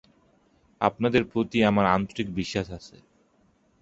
আপনাদের প্রতি আমরা আন্তরিক বিশ্বাস আছে।